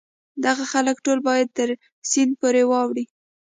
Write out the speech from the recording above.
دغه خلک ټول باید تر سیند پورې واوړي.